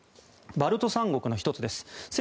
バルト三国の１つです。